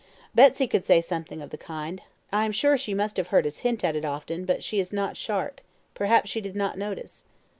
"Betsy could say something of the kind. I am sure she must have heard us hint at it often, but she is not sharp. Perhaps she did not notice."